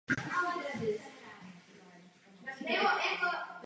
Jaká opatření zamýšlí předsednictví podniknout, aby jim tuto příležitost poskytlo?